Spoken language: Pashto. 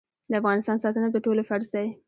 د افغانستان ساتنه د ټولو فرض دی